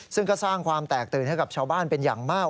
ซึ่งก็สร้างความแตกตื่นให้กับชาวบ้านเป็นอย่างมาก